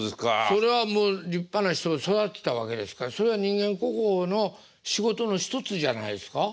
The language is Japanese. それはもう立派な人を育てたわけですからそれは人間国宝の仕事の一つじゃないですか？